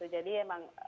jadi memang ya